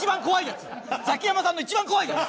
ザキヤマさんの一番怖いやつ。